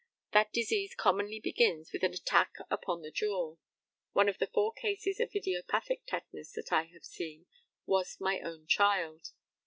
That disease commonly begins with an attack upon the jaw. One of the four cases of idiopathic tetanus that I have seen was my own child.